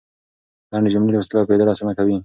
لنډې جملې لوستل او پوهېدل اسانه کوي.